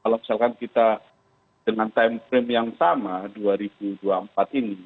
kalau misalkan kita dengan time frame yang sama dua ribu dua puluh empat ini